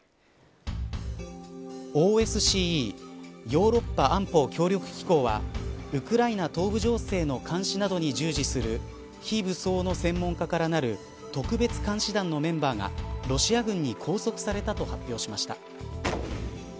ヨーロッパ安保協力機構はウクライナ東部情勢の監視などに従事する非武装の専門家からなる特別監視団のメンバーがロシア軍に拘束されたと発表しました。